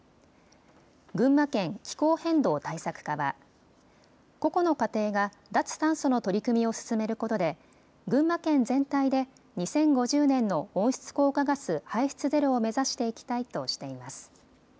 群馬県気候変動対策課は個々の家庭が脱炭素の取り組みを進めることで群馬県全体で２０５０年の温室効果ガス排出ゼロを目指していきたいとしています。